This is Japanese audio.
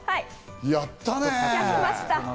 やったね。